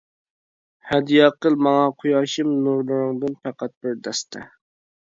ھەدىيە قىل ماڭا قۇياشىم، نۇرلىرىڭدىن پەقەت بىر دەستە.